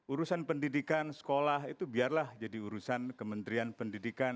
urusan pendidikan sekolah itu biarlah jadi urusan kementerian pendidikan